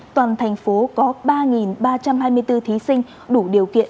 toàn thành phố có ba ba trăm hai mươi bốn thí sinh đủ điều kiện